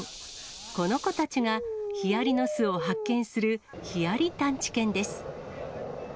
この子たちが、ヒアリの巣を発見するヒアリ探知犬です。